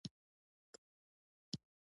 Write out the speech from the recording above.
هغه ښارونه غرونه غرونه دي.